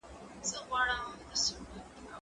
زه اجازه لرم چي سپينکۍ پرېولم!؟